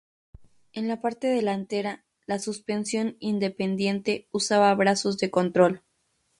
En la parte delantera, la suspensión independiente usaba brazos de control.